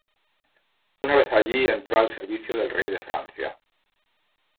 Una vez allí, entró al servicio del rey de Francia.